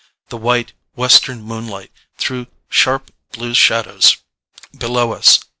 The white, western moonlight threw sharp, blue shadows below us.